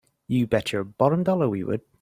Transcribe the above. You bet your bottom dollar we would!